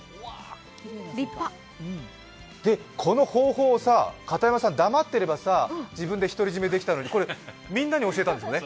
この方法を片山さん、黙ってれば自分で独り占めにできたのにみんなに教えたんですね？